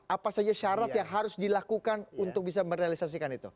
apa saja syarat yang harus dilakukan untuk bisa merealisasikan itu